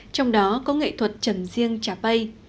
trong đó có nghệ thuật trầm riêng trà bay